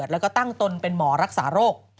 แล้วก็ตั้งตนเป็นหมอรักษาโรค